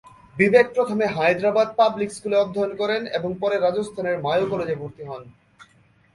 বিবেক প্রথমে হায়দ্রাবাদ পাবলিক স্কুলে অধ্যয়ন করেন এবং পরে রাজস্থানের মায়ো কলেজে ভর্তি হন।